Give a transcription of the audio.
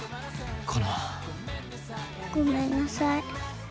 ごめんなさい。